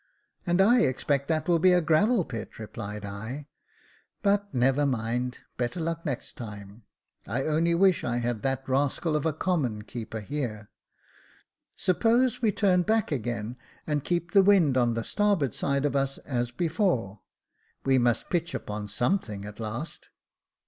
" And I expect that will be a gravel pit," replied I ;but never mind, * better luck next time.' I only wish I had that rascal of a common keeper here. Suppose we turn back again, and keep the wind on the starboard side of us as before ; we must pitch upon something at last."